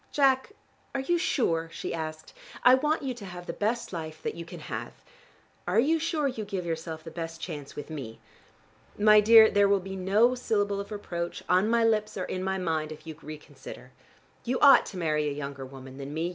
"Jack, are you sure?" she asked. "I want you to have the best life that you can have. Are you sure you give yourself the best chance with me? My dear, there will be no syllable of reproach, on my lips or in my mind, if you reconsider. You ought to marry a younger woman than me.